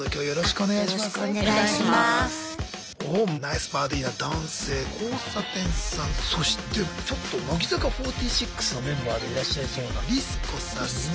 おおナイスバディーな男性交差点さんそしてちょっと乃木坂４６のメンバーでいらっしゃいそうなリス子さんに。